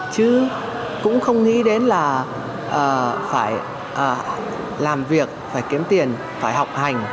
chứ cũng không nghĩ đến là phải làm việc phải kiếm tiền phải học hành